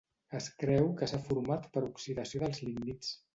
Es creu que s'ha format per oxidació dels lignits.